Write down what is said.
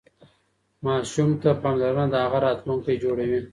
ماسوم ته پاملرنه د هغه راتلونکی جوړوي.